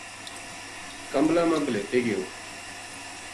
کَملاں ما بھلیٹے گیو